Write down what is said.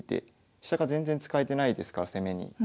飛車が全然使えてないですから攻めに。